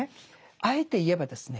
あえて言えばですね